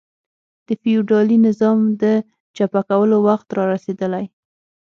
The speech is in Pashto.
د فیوډالي نظام د چپه کولو وخت را رسېدلی.